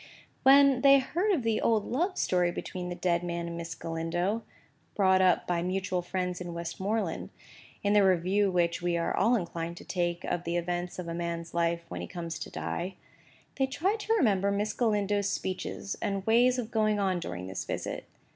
When they heard of the old love story between the dead man and Miss Galindo,—brought up by mutual friends in Westmoreland, in the review which we are all inclined to take of the events of a man's life when he comes to die,—they tried to remember Miss Galindo's speeches and ways of going on during this visit.